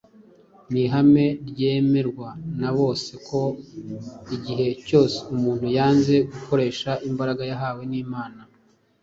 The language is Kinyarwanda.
Ni ihame ryemerwa na bose ko igihe cyose umuntu yanze gukoresha imbaraga yahawe n’Imana,